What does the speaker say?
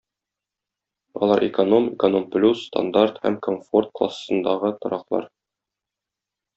Алар - "эконом", "эконом плюс", "стандарт" һәм "комфорт" классындагы тораклар.